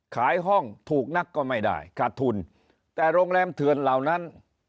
ขายห้องถูกนักก็ไม่ได้ขาดทุนแต่โรงแรมเถื่อนเหล่านั้น